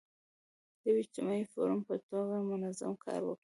د یو اجتماعي فورم په توګه منظم کار وکړي.